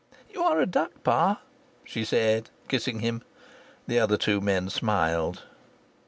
"You are a duck, pa!" she said, kissing him. The other two men smiled.